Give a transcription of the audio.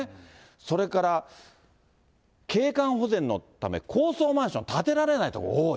それから景観保全のため、高層マンション建てられない所多い。